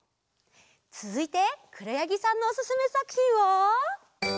つづいてくろやぎさんのおすすめさくひんは？